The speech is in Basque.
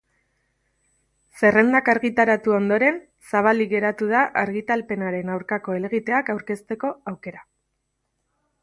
Zerrendak argitaratu ondoren, zabalik geratu da argitalpenaren aurkako helegiteak aurkezteko aukera.